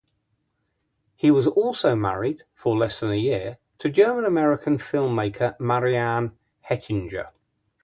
He was also married, for less than a year, to German-American filmmaker Marianne Hettinger.